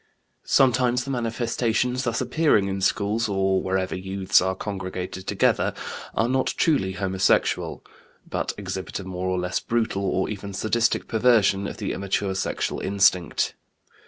Sometimes the manifestations thus appearing in schools or wherever youths are congregated together are not truly homosexual, but exhibit a more or less brutal or even sadistic perversion of the immature sexual instinct.